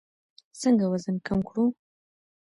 څنګه وزن کم کړو؟